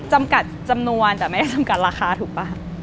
จำกัดจำนวนแต่ไม่ได้จำกัดราคาถูกป่ะ